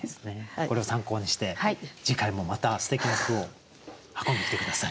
これを参考にして次回もまたすてきな句を運んできて下さい。